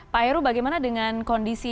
pak heru bagaimana dengan kondisi